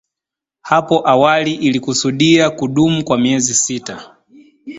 Hapo awali ilikusudia kudumu kwa miezi sita